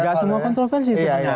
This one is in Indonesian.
gak semua kontroversi sebenarnya